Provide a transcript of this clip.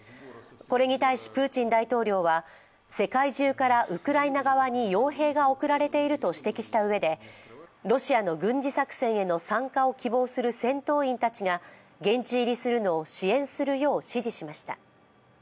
これに対し、プーチン大統領は世界中からウクライナ側によう兵が送られていると指摘したうえで、ロシアの軍事作戦への参加を希望する戦闘員たちが現地入りするのを支援するよう指示しました。